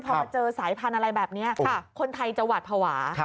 พอมาเจอสายพันธุ์อะไรแบบนี้คนไทยจะหวาดภาวะ